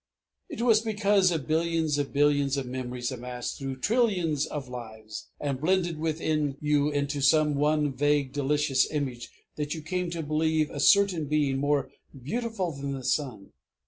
It was because of billions of billions of memories amassed through trillions of lives, and blended within you into some one vague delicious image, that you came to believe a certain being more beautiful than the sun.